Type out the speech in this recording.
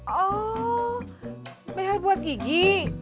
oh behel buat gigi